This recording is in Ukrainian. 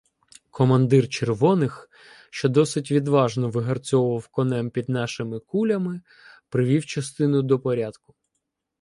Командир червоних, що досить відважно вигарцьовував конем під нашими кулями, привів частину до порядку.